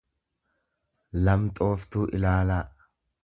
lamxooftuu ilaalaa.